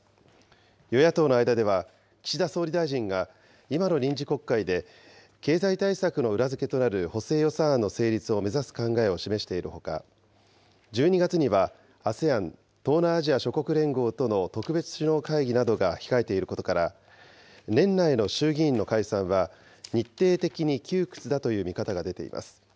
与野党の間では岸田総理大臣が今の臨時国会で、経済対策の裏付けとなる補正予算案の成立を目指す考えを示しているほか、１２月にはＡＳＥＡＮ・東南アジア諸国連合との特別首脳会議などが控えていることから、年内の衆議院の解散は日程的に窮屈だという見方が出ています。